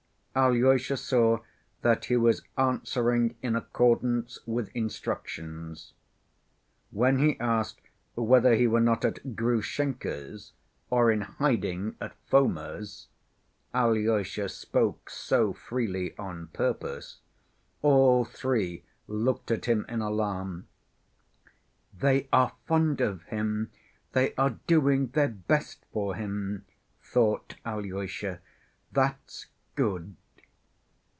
Alyosha saw that he was answering in accordance with instructions. When he asked whether he were not at Grushenka's or in hiding at Foma's (Alyosha spoke so freely on purpose), all three looked at him in alarm. "They are fond of him, they are doing their best for him," thought Alyosha. "That's good."